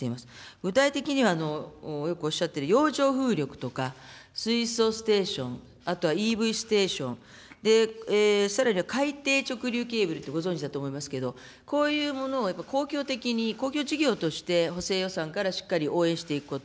具体的には、よくおっしゃっている洋上風力とか、水素ステーション、あとはＥＶステーション、さらには海底直流ケーブルってご存じだと思いますけれども、こういうものをやっぱり、公共的に、公共事業として、補正予算からしっかり応援していくこと。